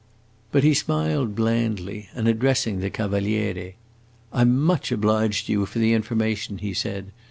But he smiled blandly, and addressing the Cavaliere, "I 'm much obliged to you for the information," he said.